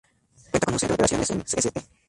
Cuenta con un centro de operaciones en St.